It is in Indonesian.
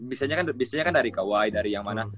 iya biasanya kan dari kawhi dari yang mana